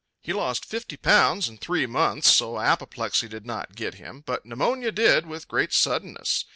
He lost fifty pounds in three months, so apoplexy did not get him, but pneumonia did with great suddenness.